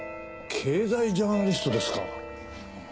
経済ジャーナリストですか。